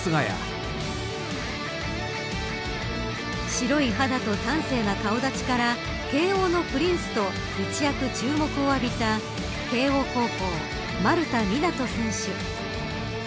白い肌と端正な顔立ちから慶応のプリンスと一躍注目を浴びた慶応高校、丸田湊斗選手。